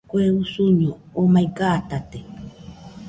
Kue usuño omai gatate